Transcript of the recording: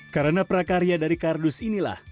karena prakarya dari kardus inilah